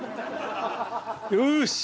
よし！